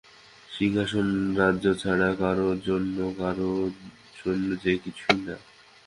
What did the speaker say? সিংহাসন, রাজ্য ছেড়ে, কারো জন্য, কারো জন্য যে কিছুইনা?